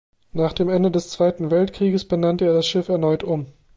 Nach dem Ende des Zweiten Weltkrieges benannte er das Schiff erneut um.